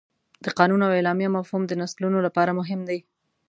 د قانون او اعلامیه مفهوم د نسلونو لپاره مهم دی.